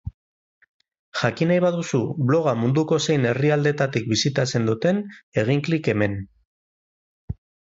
Jakin nahi baduzu bloga munduko zein herrialdetatik bisitatzen duten, egin klik hemen.